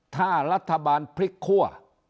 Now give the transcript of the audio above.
ถ้ารัฐบาลพลิกคั่ว